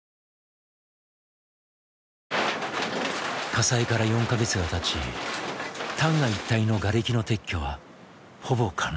火災から４カ月が経ち旦過一帯のがれきの撤去はほぼ完了。